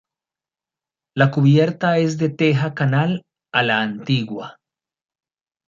La cubierta es de teja canal a la "antigua".